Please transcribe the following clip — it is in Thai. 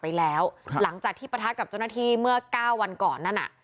ไปแล้วหลังจากที่ปะทะกับเจ้าหน้าที่เมื่อเก้าวันก่อนนั่นน่ะ